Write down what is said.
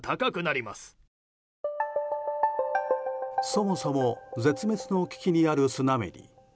そもそも絶滅の危機にあるスナメリ。